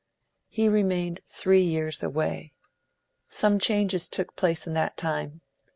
He remained three years away. Some changes took place in that time.